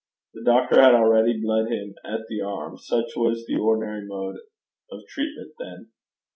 The doctor had already bled him at the arm: such was the ordinary mode of treatment then.